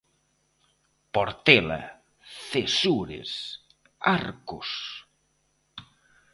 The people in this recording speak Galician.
Portela, Cesures, Arcos...